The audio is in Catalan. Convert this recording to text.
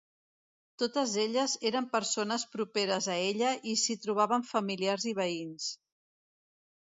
Totes elles eren persones properes a ella i s'hi trobaven familiars i veïns.